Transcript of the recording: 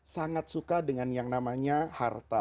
sangat suka dengan yang namanya harta